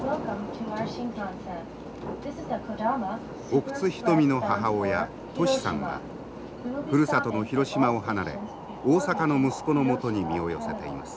奥津牟の母親トシさんはふるさとの広島を離れ大阪の息子のもとに身を寄せています。